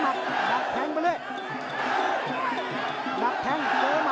ตอนนี้มันถึง๓